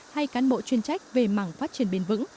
hay cán bộ chuyên trách về mảng phát triển bền vững